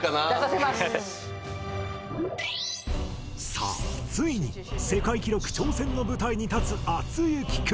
さあついに世界記録挑戦の舞台に立つあつゆき君。